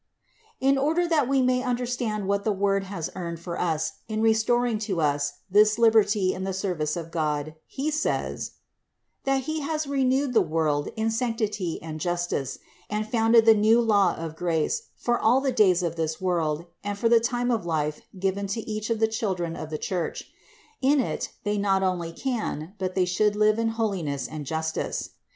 In order that we may understand what the Word has earned for us in restoring to us this liberty in the service of God, he says : that He has renewed the world in sanctity and justice, and founded the new law of grace for all the days of this world, and for the time of life given to each of the children of the Church. In it they not only can, but they should live in holiness and justice.